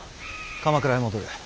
鎌倉へ戻る。